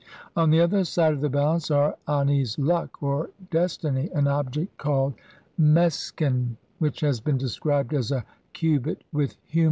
On the other side of the balance are Ani's "luck" or "destiny" ; an object called meskhen which has been described as a "cubit with human 1.